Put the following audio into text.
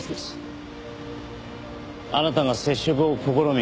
あなたが接触を試み